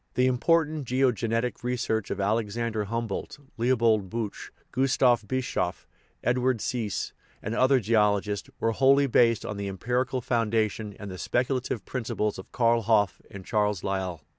The important geogenetic research of Alex ander Humboldt, Leopold Buch, Gustav Bischof, Ed ward Siiss, and other geologists, were wholly based on the empirical foundation and the speculative principles of Karl Hoff and Charles Lyell.